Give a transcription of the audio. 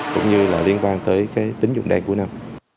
cũng như liên quan tới tín dụng đèn cuối năm